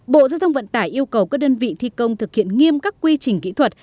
bộ giao thông vận tải yêu cầu các đơn vị thi công thực hiện nghiêm các quy trình kỹ thuật